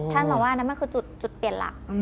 ท่านบอกว่านั่นคือจุดเปลี่ยนหลัก